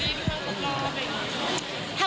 เอ่อรู้ค่ะคือ